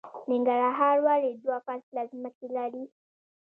ننګرهار ولې دوه فصله ځمکې لري؟